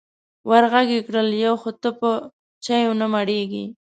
ور غږ یې کړل: یو خو ته په چایو نه مړېږې.